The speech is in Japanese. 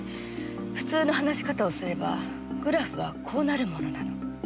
普通の話し方をすればグラフはこうなるものなの。